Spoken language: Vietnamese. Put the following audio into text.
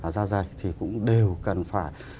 da dày thì cũng đều cần phải